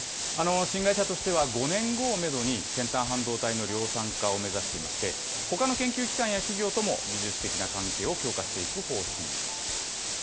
新会社としては、５年後をメドに先端半導体の量産化を目指していまして、ほかの研究機関や企業とも技術的な関係を強化していく方針です。